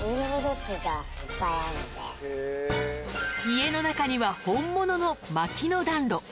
家の中には本物の薪の暖炉